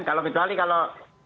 kalau kecuali kalau